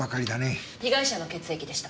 被害者の血液でした。